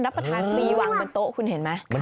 รับประทานปีหวังเป็นโต๊ะคุณเห็นไหม